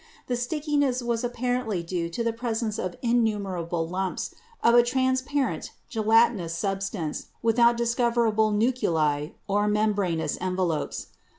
The stickiness was apparently due to the pres ence of innumerable lumps of a transparent gelatinous substance without discoverable nuclei or membranous, envelopes.